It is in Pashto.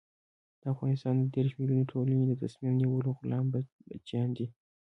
د افغانستان د دېرش ملیوني ټولنې د تصمیم نیولو غلام بچیان دي.